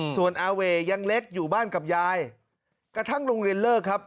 ส่วนอาเวยังเล็กอยู่บ้านกับยายกระทั่งโรงเรียนเลิกครับ